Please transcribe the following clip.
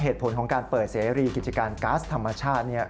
เหตุผลของการเปิดเสรีกิจการก๊าซธรรมชาติ